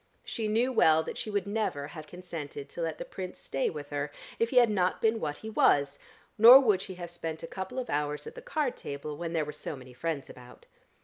She knew well that she would never have consented to let the Prince stay with her, if he had not been what he was, nor would she have spent a couple of hours at the card table when there were so many friends about.